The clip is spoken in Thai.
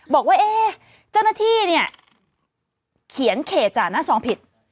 บอกว่าเจ้าหน้าที่เนี่ยเขียนเขตจ่าหน้าซองผิด